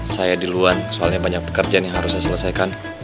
saya duluan soalnya banyak pekerjaan yang harus saya selesaikan